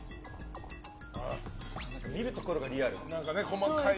見るところがリアル。